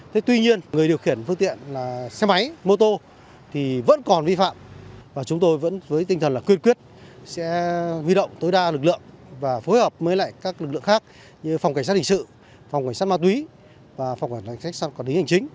thế tuy nhiên người điều khiển phương tiện là xe máy mô tô thì vẫn còn vi phạm và chúng tôi vẫn với tinh thần là quyết quyết sẽ vi động tối đa lực lượng và phối hợp với lại các lực lượng khác như phòng cảnh sát hình sự phòng cảnh sát ma túy và phòng cảnh sát hình chính